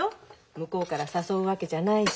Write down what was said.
向こうから誘うわけじゃないし。